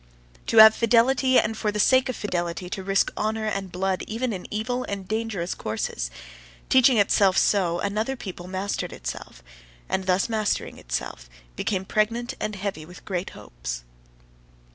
"To have fidelity, and for the sake of fidelity to risk honour and blood, even in evil and dangerous courses" teaching itself so, another people mastered itself, and thus mastering itself, became pregnant and heavy with great hopes.